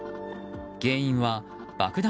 原因は爆弾